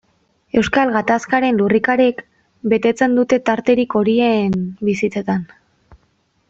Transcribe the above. Euskal Gatazkaren lurrikarek betetzen dute tarterik horien bizitzetan.